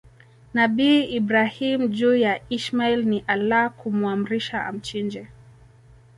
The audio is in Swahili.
nabii Ibrahim juu ya Ismail ni Allah kumuamrisha amchinje